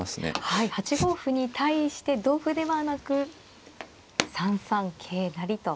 はい８五歩に対して同歩ではなく３三桂成と。